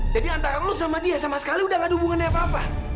jadi antara lo sama dia sama sekali udah gak ada hubungannya apa apa